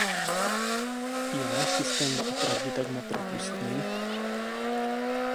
Je náš systém doopravdy tak nepropustný?